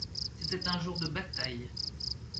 C'était un jour de bataille.